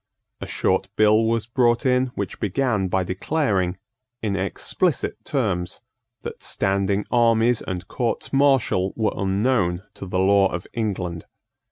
A short bill was brought in which began by declaring, in explicit terms, that standing armies and courts martial were unknown to the law of England.